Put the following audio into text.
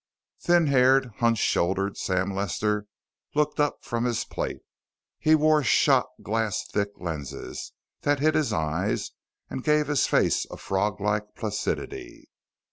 Thin haired, hunch shouldered Sam Lester looked up from his plate. He wore shot glass thick lenses that hid his eyes and gave his face a froglike placidity.